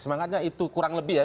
semangatnya itu kurang lebih ya